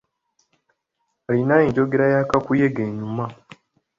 Alina enjogera ya kakuyege enyuma.